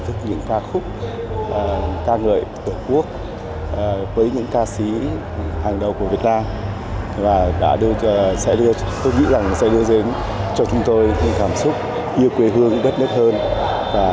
các ca khúc trong giai điệu tổ quốc hai nghìn một mươi tám góp phần khơi dậy trong mỗi người niềm tự hào và tình yêu quê hương đất nước